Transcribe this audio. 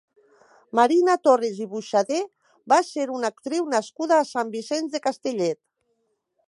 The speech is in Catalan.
Marina Torres i Buxadé va ser una actriu nascuda a Sant Vicenç de Castellet.